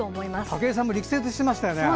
武井さんも力説していましたよね。